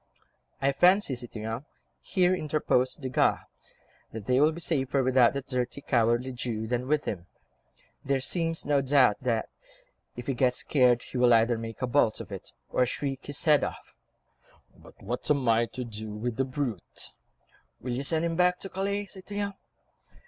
"I fancy, citoyen," here interposed Desgas, "that they will be safer without that dirty, cowardly Jew than with him. There seems no doubt that, if he gets scared, he will either make a bolt of it, or shriek his head off." "But what am I to do with the brute?" "Will you send him back to Calais, citoyen?"